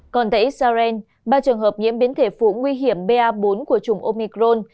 còn tại israel ba trường hợp nhiễm biến thể phụ nguy hiểm ba bốn của chủng omicron